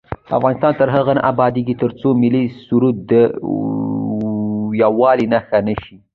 افغانستان تر هغو نه ابادیږي، ترڅو ملي سرود د یووالي نښه نشي.